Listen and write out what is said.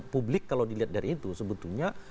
publik kalau dilihat dari itu sebetulnya